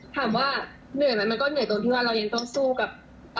ถามว่าเหนื่อยไหมมันก็เหนื่อยตรงที่ว่าเรายังต้องสู้กับ